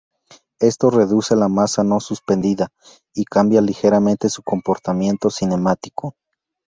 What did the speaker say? Esto reduce la masa no suspendida y cambia ligeramente su comportamiento cinemático.